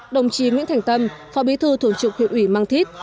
đồng chí nguyễn thành tâm phó bí thư thường trực huyện ủy mang thít